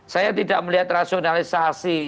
saya tidak melihat rasionalisasi